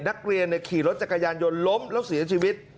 นักเรียนขี่รถจักรยานยนต์ล้มแล้วเสียชีวิต